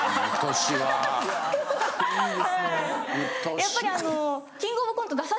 やっぱりあの。